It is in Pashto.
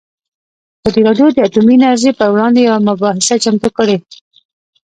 ازادي راډیو د اټومي انرژي پر وړاندې یوه مباحثه چمتو کړې.